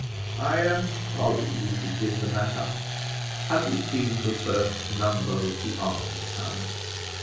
I am sorry you should give the matter up. Have you seen the first number of 'The Almshouse'?"